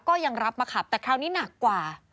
ก็ยังรับมาขับแต่คราวนี้หนักกว่า